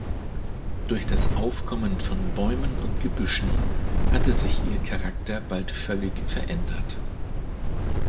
Durch das Aufkommen von Bäumen und Gebüschen hatte sich ihr Charakter bald völlig verändert.